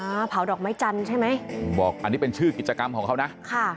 เผาดอกไม้จันทร์ใช่ไหมบอกอันนี้เป็นชื่อกิจกรรมของเขานะค่ะ